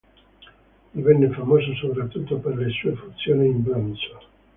Divenne famoso soprattutto per le sue fusioni in bronzo.